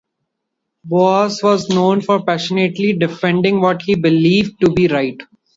Boas was known for passionately defending what he believed to be right.